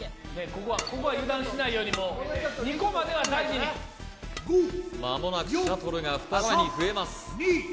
ここは油断しないようにもう２個までは大事に間もなくシャトルが２つに増えます